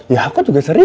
ya aku juga serius